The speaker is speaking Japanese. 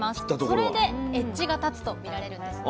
それでエッジが立つとみられるんですね。